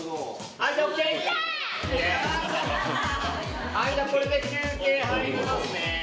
・はいじゃあこれで休憩入りますね